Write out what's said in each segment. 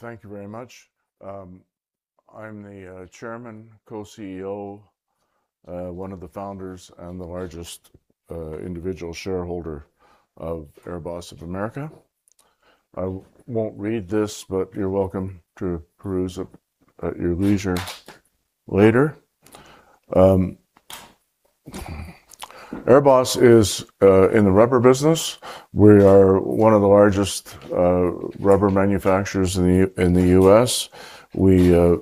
Thank you very much. I'm the Chairman, Co-CEO, one of the founders, and the largest individual shareholder of AirBoss of America. I won't read this, but you're welcome to peruse at your leisure later. AirBoss is in the rubber business. We are one of the largest rubber manufacturers in the U.S. We are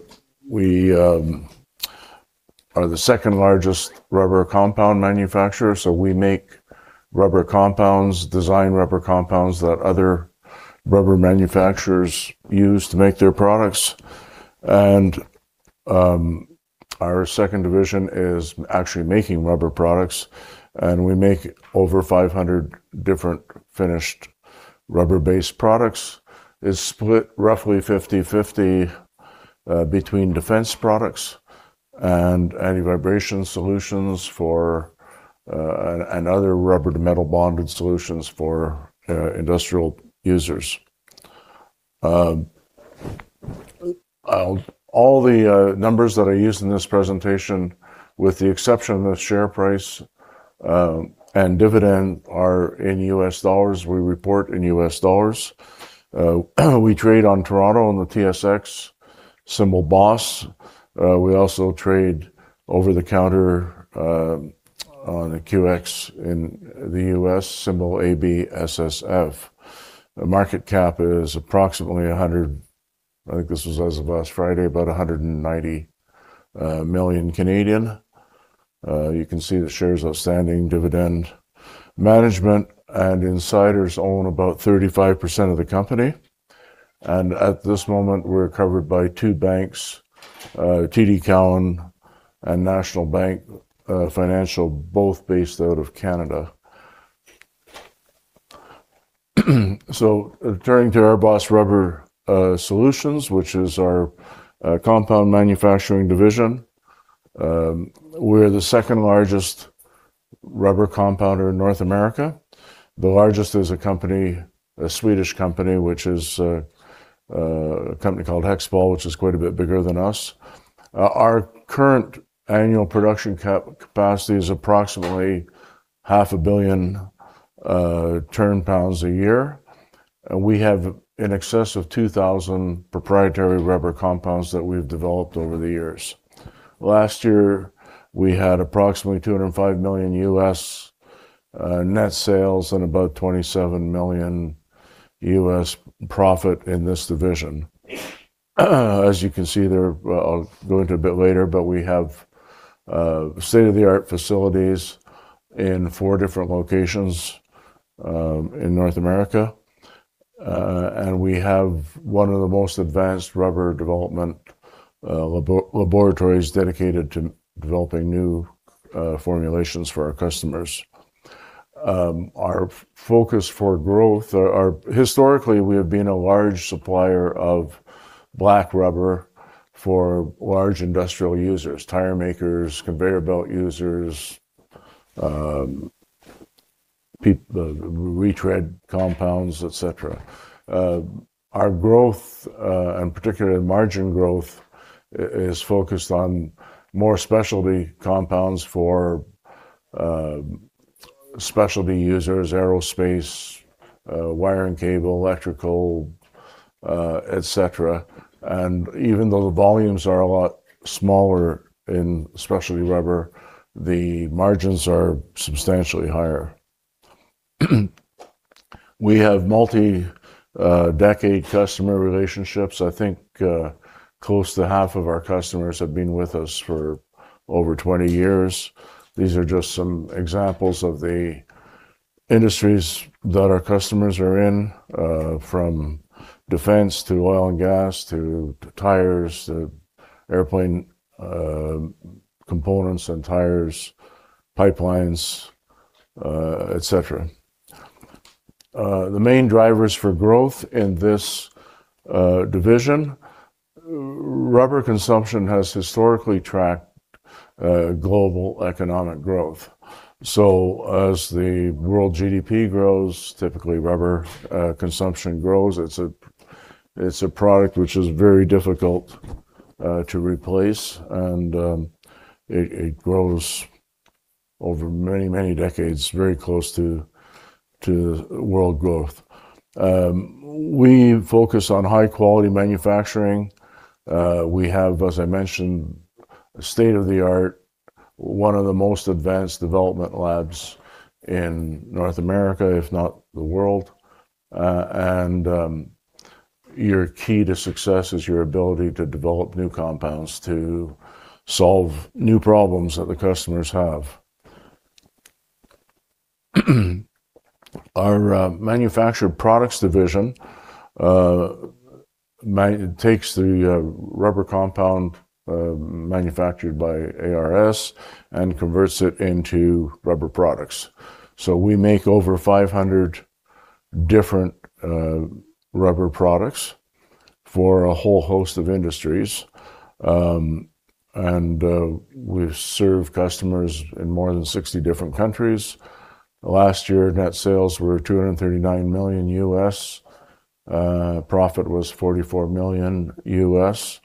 the second-largest rubber compound manufacturer. We make rubber compounds, design rubber compounds that other rubber manufacturers use to make their products. Our second division is actually making rubber products, and we make over 500 different finished rubber-based products. It's split roughly 50/50 between defense products and anti-vibration solutions and other rubber-to-metal bonded solutions for industrial users. All the numbers that I used in this presentation, with the exception of the share price and dividend, are in U.S. dollars. We report in U.S. dollars. We trade on Toronto on the TSX, symbol BOSS. We also trade over-the-counter on the QX in the U.S., symbol ABSSF. The market cap is approximately 100, I think this was as of last Friday, about 190 million. You can see the shares outstanding, dividend. Management and insiders own about 35% of the company. At this moment, we're covered by two banks, TD Cowen and National Bank Financial, both based out of Canada. Turning to AirBoss Rubber Solutions, which is our compound manufacturing division. We're the second-largest rubber compounder in North America. The largest is a Swedish company, which is a company called Hexpol, which is quite a bit bigger than us. Our current annual production capacity is approximately half a billion turn pounds a year. We have in excess of 2,000 proprietary rubber compounds that we've developed over the years. Last year, we had approximately $205 million net sales and about $27 million profit in this division. As you can see there, I'll go into a bit later, but we have state-of-the-art facilities in four different locations in North America. We have one of the most advanced rubber development laboratories dedicated to developing new formulations for our customers. Our focus for growth-- Historically, we have been a large supplier of black rubber for large industrial users, tire makers, conveyor belt users, retread compounds, et cetera. Our growth, and particularly margin growth, is focused on more specialty compounds for specialty users, aerospace, wiring cable, electrical, et cetera. Even though the volumes are a lot smaller in specialty rubber, the margins are substantially higher. We have multi-decade customer relationships. I think close to half of our customers have been with us for over 20 years. These are just some examples of the industries that our customers are in, from defense to oil and gas to tires, to airplane components and tires, pipelines, et cetera. The main drivers for growth in this division, rubber consumption has historically tracked global economic growth. As the world GDP grows, typically rubber consumption grows. It's a product which is very difficult to replace, and it grows over many, many decades, very close to world growth. We focus on high-quality manufacturing. We have, as I mentioned, state-of-the-art, one of the most advanced development labs in North America, if not the world. Your key to success is your ability to develop new compounds to solve new problems that the customers have. Our manufactured products division takes the rubber compound manufactured by ARS and converts it into rubber products. We make over 500 different rubber products for a whole host of industries. We serve customers in more than 60 different countries. Last year, net sales were $239 million U.S. Profit was $44 million U.S.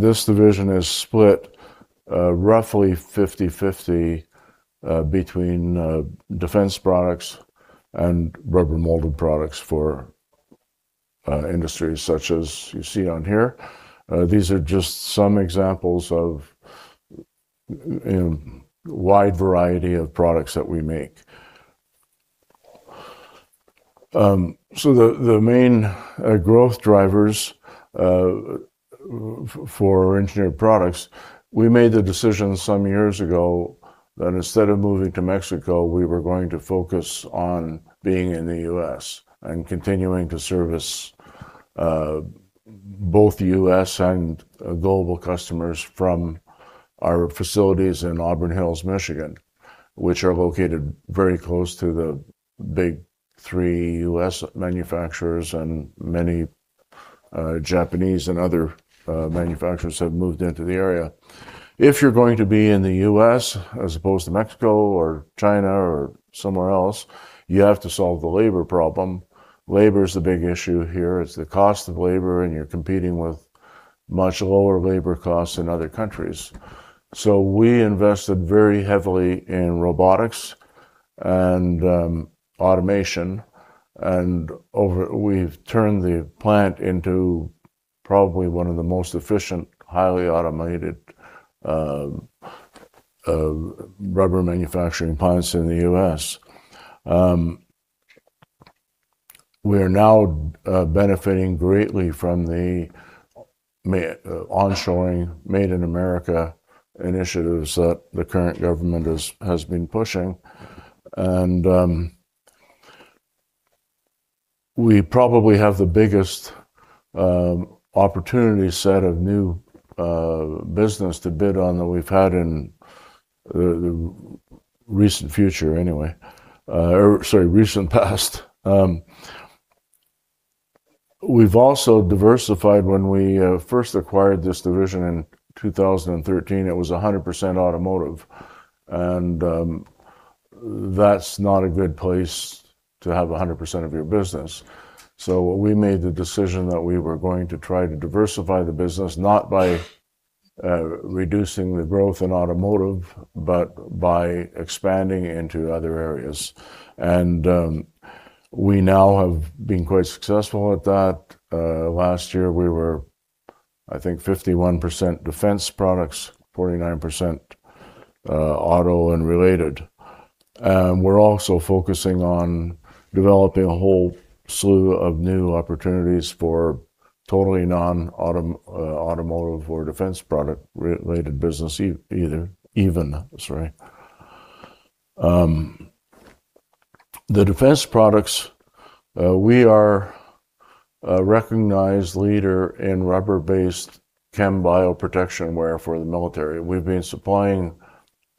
This division is split roughly 50/50 between defense products and rubber molded products for industries such as you see on here. These are just some examples of a wide variety of products that we make. The main growth drivers for engineered products, we made the decision some years ago that instead of moving to Mexico, we were going to focus on being in the U.S. and continuing to service both U.S. and global customers from our facilities in Auburn Hills, Michigan, which are located very close to the big three U.S. manufacturers and many Japanese and other manufacturers have moved into the area. If you're going to be in the U.S. as opposed to Mexico or China or somewhere else, you have to solve the labor problem. Labor is the big issue here. It's the cost of labor, and you're competing with much lower labor costs in other countries. We invested very heavily in robotics and automation, and we've turned the plant into probably one of the most efficient, highly automated rubber manufacturing plants in the U.S. We are now benefiting greatly from the onshoring Made in America initiatives that the current government has been pushing, and we probably have the biggest opportunity set of new business to bid on that we've had in the recent future anyway, or sorry, recent past. We've also diversified. When we first acquired this division in 2013, it was 100% automotive, and that's not a good place to have 100% of your business. We made the decision that we were going to try to diversify the business, not by reducing the growth in automotive, but by expanding into other areas. We now have been quite successful at that. Last year, we were, I think, 51% defense products, 49% auto and related. We're also focusing on developing a whole slew of new opportunities for totally non-automotive or defense product related business even, sorry. The defense products, we are a recognized leader in rubber-based chem-bio protection wear for the military. We've been supplying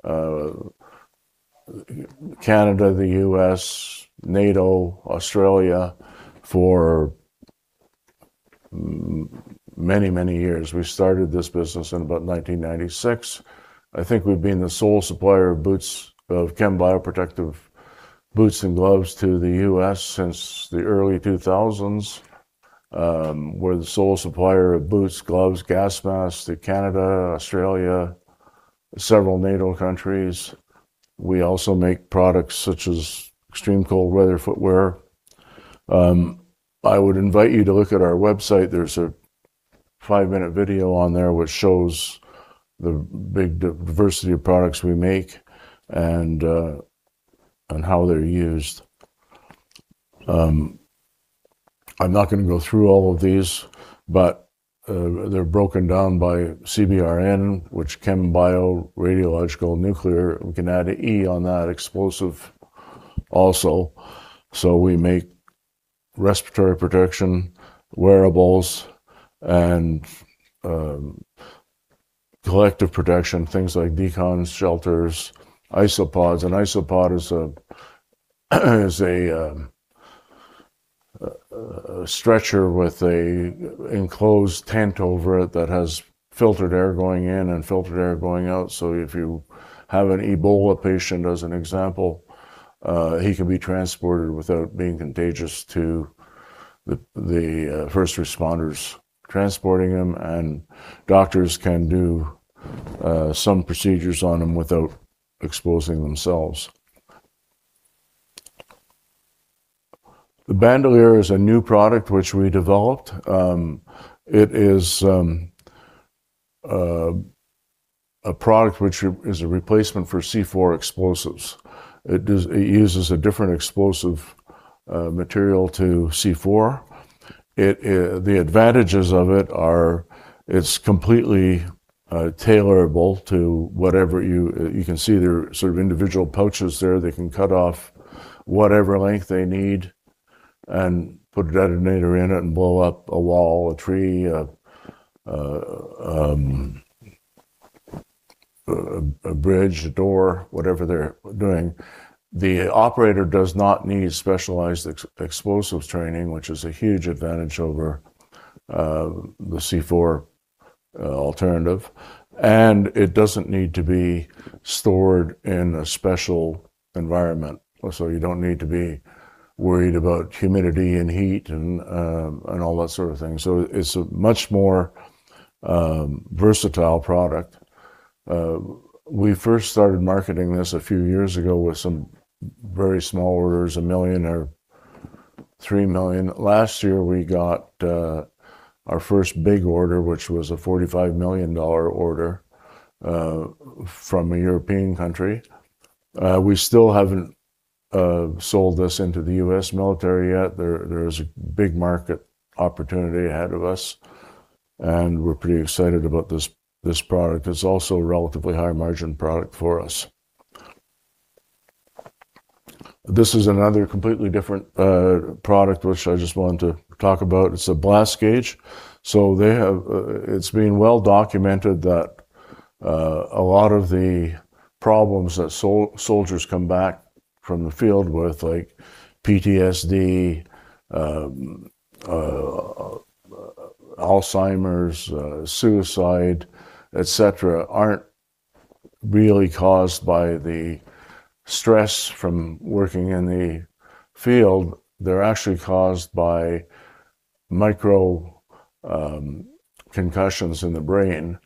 Canada, the U.S., NATO, Australia for many, many years. We started this business in about 1996. I think we've been the sole supplier of chem-bio protective boots and gloves to the U.S. since the early 2000s. We're the sole supplier of boots, gloves, gas masks to Canada, Australia, several NATO countries. We also make products such as extreme cold weather footwear. I would invite you to look at our website. There's a five-minute video on there which shows the big diversity of products we make and how they're used. I'm not going to go through all of these, but they're broken down by CBRN, which chem, bio, radiological, nuclear. We can add an E on that, explosive also. We make respiratory protection wearables and collective protection, things like decon shelters, ISO-POD. An ISO-POD is a stretcher with an enclosed tent over it that has filtered air going in and filtered air going out. If you have an Ebola patient, as an example, he can be transported without being contagious to the first responders transporting him, and doctors can do some procedures on him without exposing themselves. The Bandolier is a new product which we developed. It is a product which is a replacement for C-4 explosives. It uses a different explosive material to C-4. The advantages of it are it's completely tailorable to whatever. You can see there are sort of individual pouches there. They can cut off whatever length they need and put a detonator in it and blow up a wall, a tree, a bridge, a door, whatever they're doing. The operator does not need specialized explosives training, which is a huge advantage over the C-4 alternative, and it does not need to be stored in a special environment. You don't need to be worried about humidity and heat and all that sort of thing. It's a much more versatile product. We first started marketing this a few years ago with some very small orders, $1 million or $3 million. Last year, we got our first big order, which was a $45 million order from a European country. We still haven't sold this into the U.S. military yet. There is a big market opportunity ahead of us, and we're pretty excited about this product. It's also a relatively high-margin product for us. This is another completely different product, which I just wanted to talk about. It's a Blast Gauge. It's been well-documented that a lot of the problems that soldiers come back from the field with, like PTSD, Alzheimer's, suicide, et cetera, aren't really caused by the stress from working in the field. They're actually caused by micro concussions in the brain,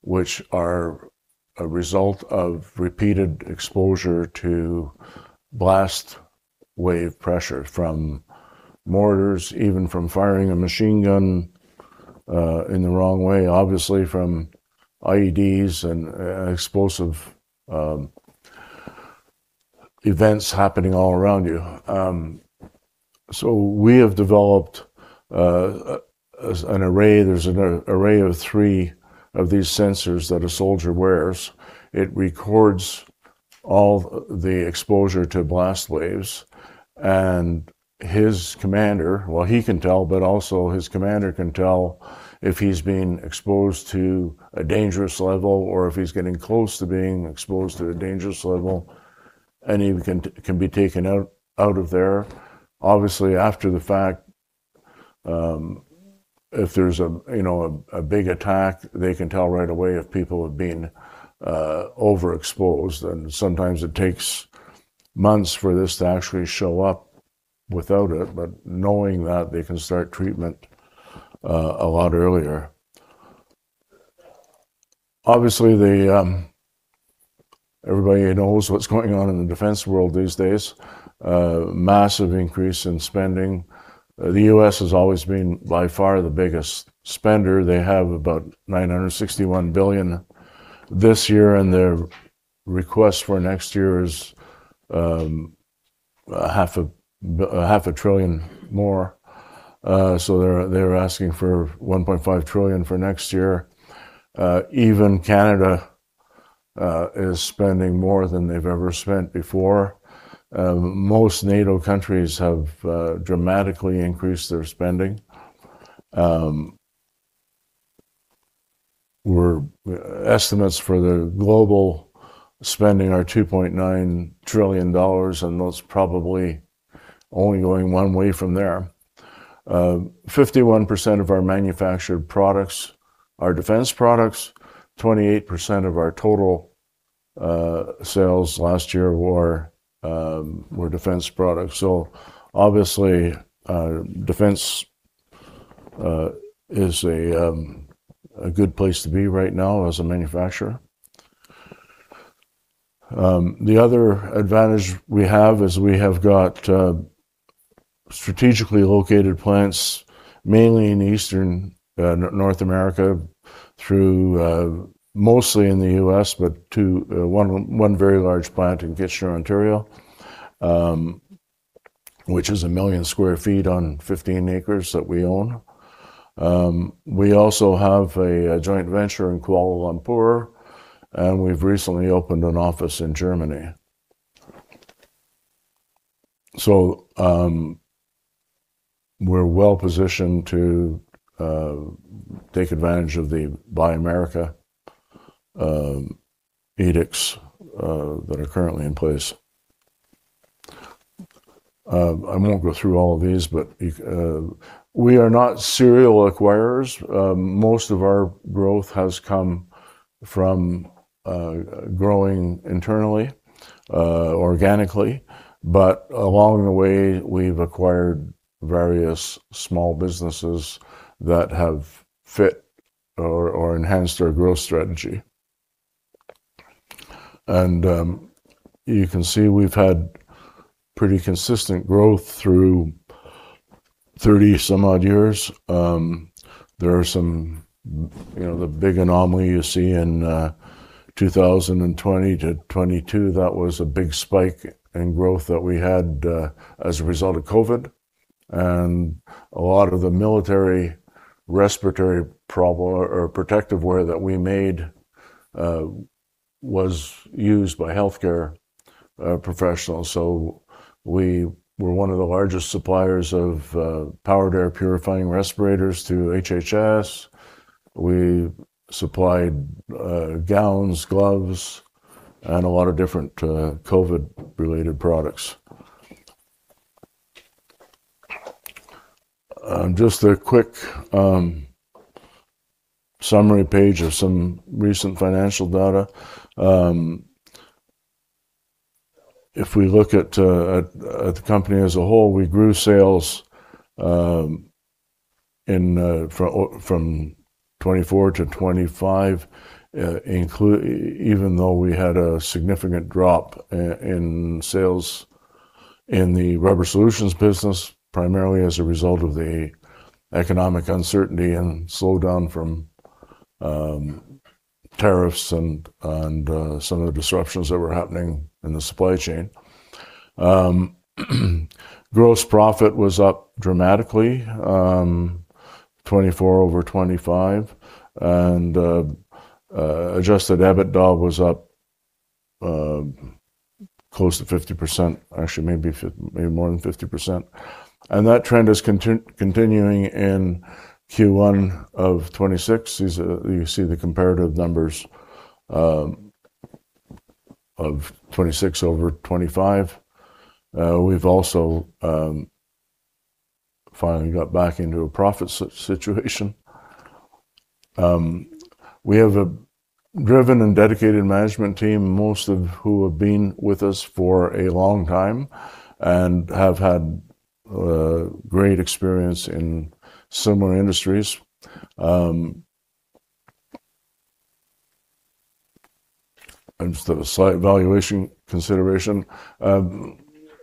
which are a result of repeated exposure to blast wave pressure from mortars, even from firing a machine gun in the wrong way, obviously from IEDs and explosive events happening all around you. We have developed an array. There's an array of three of these sensors that a soldier wears. It records all the exposure to blast waves and his commander. Well, he can tell, but also his commander can tell if he's been exposed to a dangerous level or if he's getting close to being exposed to a dangerous level, and he can be taken out of there. Obviously, after the fact, if there's a big attack, they can tell right away if people have been overexposed, and sometimes it takes months for this to actually show up without it. Knowing that, they can start treatment a lot earlier. Obviously, everybody knows what's going on in the defense world these days. A massive increase in spending. The U.S. has always been by far the biggest spender. They have about $961 billion this year, and their request for next year is $500 billion more. They're asking for $1.5 trillion for next year. Even Canada is spending more than they've ever spent before. Most NATO countries have dramatically increased their spending. Estimates for the global spending are $2.9 trillion, and that's probably only going one way from there. 51% of our manufactured products are defense products. 28% of our total sales last year were defense products. Obviously, defense is a good place to be right now as a manufacturer. The other advantage we have is we have got strategically located plants, mainly in Eastern North America, mostly in the U.S., but one very large plant in Kitchener, Ontario, which is 1 million sq ft on 15 acres that we own. We also have a joint venture in Kuala Lumpur, and we've recently opened an office in Germany. We're well-positioned to take advantage of the Buy America edicts that are currently in place. I won't go through all of these, but we are not serial acquirers. Most of our growth has come from growing internally, organically. But along the way, we've acquired various small businesses that have fit or enhanced our growth strategy. And you can see we've had pretty consistent growth through 30 some odd years. The big anomaly you see in 2020 to 2022, that was a big spike in growth that we had as a result of COVID. And a lot of the military respiratory protective wear that we made was used by healthcare professionals. We were one of the largest suppliers of powered air-purifying respirators to HHS. We supplied gowns, gloves, and a lot of different COVID-related products. Just a quick summary page of some recent financial data. If we look at the company as a whole, we grew sales from 2024 to 2025, even though we had a significant drop in sales in the Rubber Solutions business, primarily as a result of the economic uncertainty and slowdown from tariffs and some of the disruptions that were happening in the supply chain. Gross profit was up dramatically, 2024 over 2025. And adjusted EBITDA was up close to 50%, actually maybe more than 50%. And that trend is continuing in Q1 of 2026. You see the comparative numbers of 2026 over 2025. We've also finally got back into a profit situation. We have a driven and dedicated management team, most of whom have been with us for a long time and have had great experience in similar industries. Just a slight valuation consideration.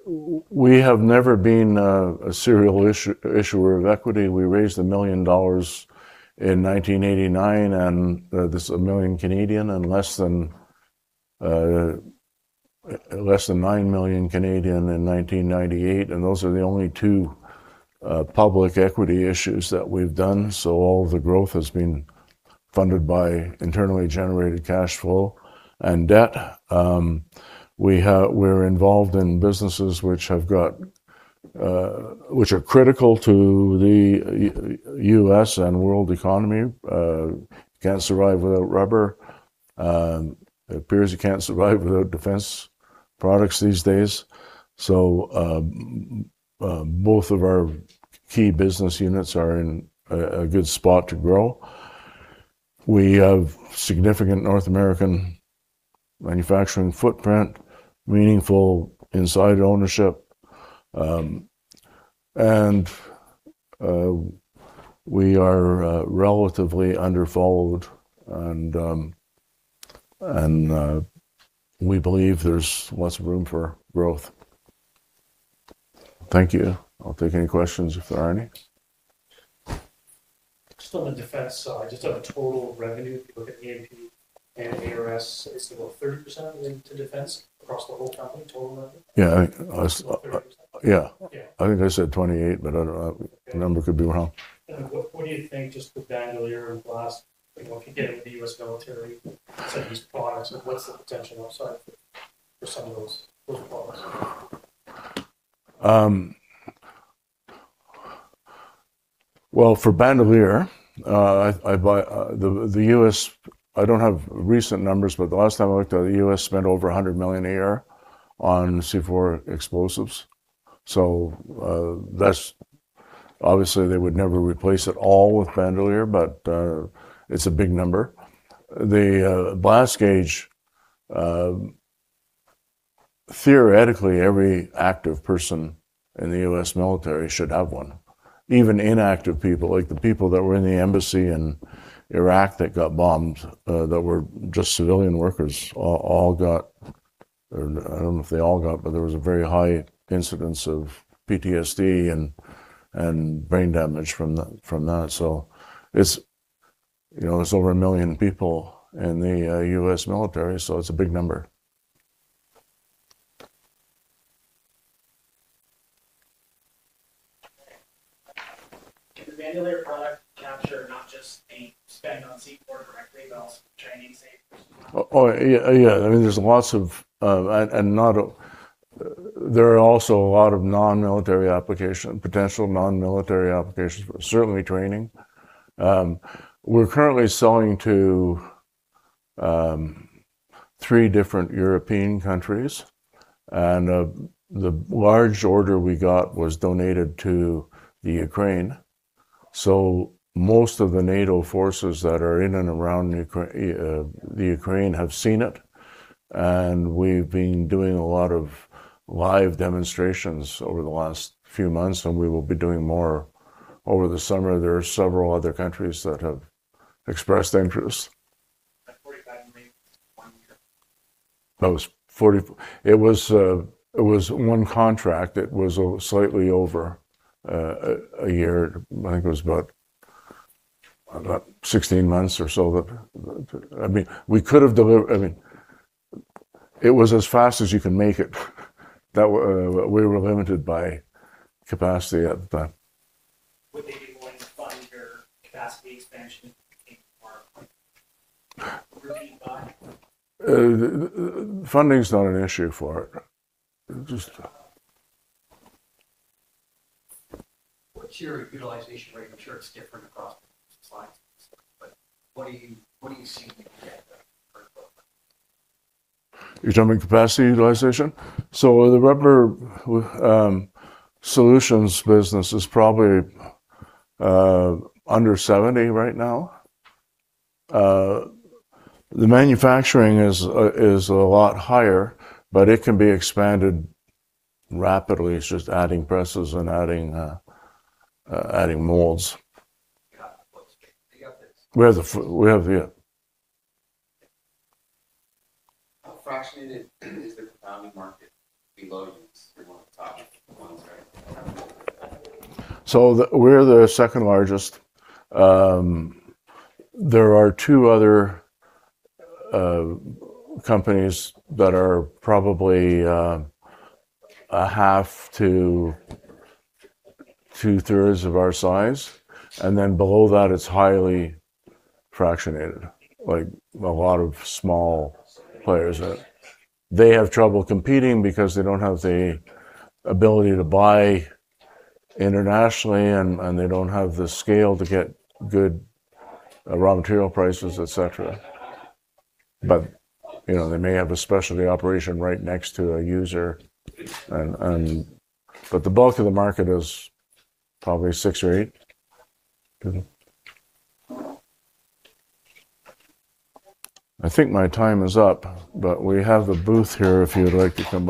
We have never been a serial issuer of equity. We raised 1 million dollars in 1989, this is 1 million, and less than 9 million in 1998, and those are the only two public equity issues that we've done. All the growth has been funded by internally generated cash flow and debt. We're involved in businesses which are critical to the U.S. and world economy. Can't survive without rubber. It appears you can't survive without defense products these days. Both of our key business units are in a good spot to grow. We have significant North American manufacturing footprint, meaningful inside ownership. And we are relatively underfollowed, and we believe there's lots of room for growth. Thank you. I'll take any questions if there are any. Just on the defense side, just on a total revenue, if you look at AMP and ARS, I see about 30% linked to defense across the whole company, total revenue. Yeah. Is that right, 30%? Yeah. Yeah. I think I said 28. I don't know. The number could be wrong. What do you think just with Bandolier and Blast, if you get into the U.S. military to use products, what's the potential upside for some of those products? Well, for Bandolier, I don't have recent numbers. The last time I looked at it, the U.S. spent over $100 million a year on C-4 explosives. Obviously, they would never replace it all with Bandolier. It's a big number. The Blast Gauge, theoretically, every active person in the U.S. military should have one. Even inactive people, like the people that were in the embassy in Iraq that got bombed, that were just civilian workers, I don't know if they all got, there was a very high incidence of PTSD and brain damage from that. There's over 1 million people in the U.S. military. It's a big number. Can the Bandolier product capture not just a spend on C-4 directly, but also training savings? Oh, yeah. There are also a lot of potential non-military applications, but certainly training. We're currently selling to three different European countries. The large order we got was donated to Ukraine. Most of the NATO forces that are in and around the Ukraine have seen it. We've been doing a lot of live demonstrations over the last few months, and we will be doing more over the summer. There are several other countries that have expressed interest. It was one contract. It was slightly over a year. I think it was about 16 months or so. It was as fast as you can make it. We were limited by capacity at the time. Would they be willing to fund your capacity expansion Funding's not an issue for it. What's your utilization rate? I'm sure it's different across You're talking capacity utilization? The Rubber Solutions business is probably under 70% right now. The manufacturing is a lot higher, but it can be expanded rapidly. It's just adding presses and adding molds. We have, yeah. How fractionated is the compounding market below you? You're one of the top ones, right? We're the second largest. There are two other companies that are probably a 1/2 to 2/3 of our size, and then below that, it's highly fractionated, like a lot of small players. They have trouble competing because they don't have the ability to buy internationally, and they don't have the scale to get good raw material prices, et cetera. They may have a specialty operation right next to a user. The bulk of the market is probably six or eight. I think my time is up, but we have the booth here if you'd like to